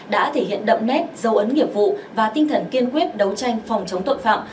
đã thể hiện đậm nét dấu ấn nghiệp vụ và tinh thần kiên quyết đấu tranh phòng chống tội phạm